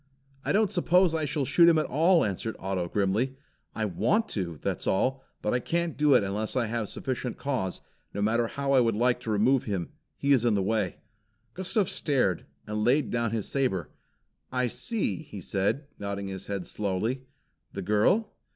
"I don't suppose I shall shoot him at all," answered Otto grimly. "I want to, that's all, but I can't do it unless I have sufficient cause, no matter how much I would like to remove him. He is in the way." Gustav stared, and laid down his saber. "I see!" he said, nodding his head slowly. "The girl?"